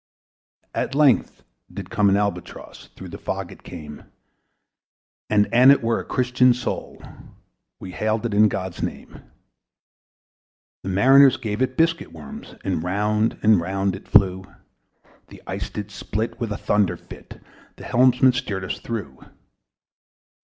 At length did cross an Albatross: Thorough the fog it came; As if it had been a Christian soul, We hailed it in God's name. It ate the food it ne'er had eat, And round and round it flew. The ice did split with a thunder fit; The helmsman steered us through!